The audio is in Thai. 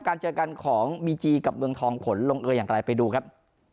เจอกันของบีจีกับเมืองทองผลลงเอออย่างไรไปดูครับ